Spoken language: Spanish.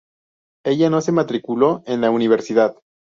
Ella no se matriculó en la universidad.